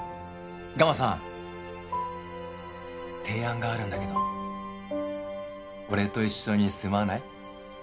提案があるんだけど俺と一緒に住まない？